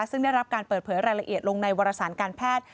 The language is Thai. ซึ่งได้รับการเปิดเผยรายละเอียดลงในวรสารการแพทย์